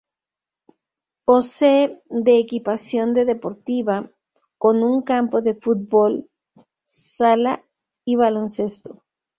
Posee de equipación de deportiva con un campo de fútbol sala y baloncesto.